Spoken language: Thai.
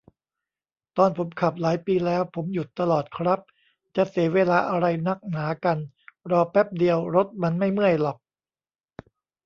ตอนผมขับ หลายปีแล้ว ผมหยุดตลอดครับ จะเสียเวลาอะไรนักหนากัน รอแป๊บเดียว รถมันไม่เมื่อยหรอก